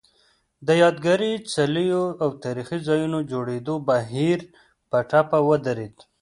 د یادګاري څلیو او تاریخي ځایونو جوړېدو بهیر په ټپه ودرېد